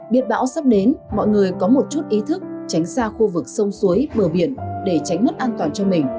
biết bão sắp đến mọi người có một chút ý thức tránh xa khu vực sông suối bờ biển để tránh mất an toàn cho mình